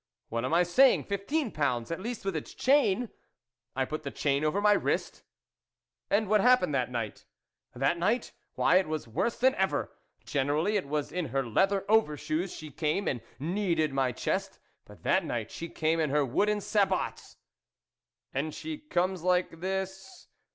What am I saying ! fifteen pounds at least with its chain ! I put the chain over my wrist. " And what happened that night ?"" That night ? why, it was worse than ever! Generally, it was in her leather overshoes she came and kneaded my chest, but that night she came in her wooden sabots." " And she comes like this